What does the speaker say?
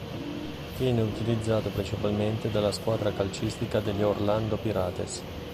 Viene utilizzato principalmente dalla squadra calcistica degli Orlando Pirates.